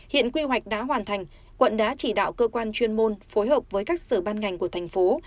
hiện quy hoạch đã hoàn thành quận đã chỉ đạo cơ quan chuyên môn phối hợp với các sở ban ngành của thành phố